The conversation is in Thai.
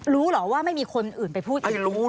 รู้เหรอว่าไม่มีคนอื่นไปพูดเอง